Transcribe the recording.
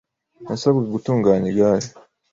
Nasabwe gutunganya igare .